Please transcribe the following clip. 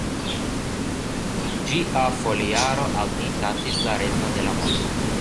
Ĝia foliaro al ni kaŝis la reston de la mondo.